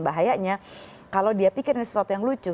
bahayanya kalau dia pikir ini sesuatu yang lucu